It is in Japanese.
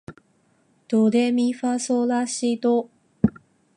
ドレミファソラシド